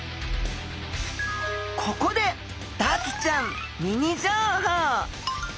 ここでダツちゃんミニ情報。